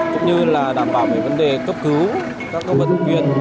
cũng như là đảm bảo về vấn đề cấp cứu các vật viện